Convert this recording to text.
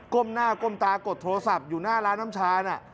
้มหน้าก้มตากดโทรศัพท์อยู่หน้าร้านน้ำชาน่ะ